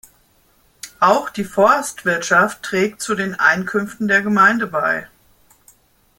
Auch die Forstwirtschaft trägt zu den Einkünften der Gemeinde bei.